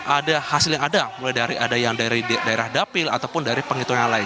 ada hasil yang ada mulai dari daerah dapil ataupun dari penghitungan lain